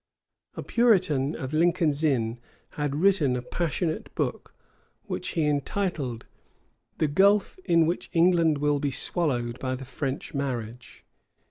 A Puritan of Lincoln's Inn had written a passionate book, which he entitled, "The Gulph in which England will be swallowed by the French Marriage."